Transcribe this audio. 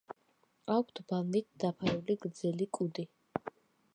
აქვთ ბალნით დაფარული გრძელი კუდი.